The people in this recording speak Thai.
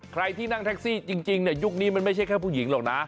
ใครที่นั่งแท็กซี่จริงยุคนี้มันไม่ใช่แค่ผู้หญิงหรอกนะ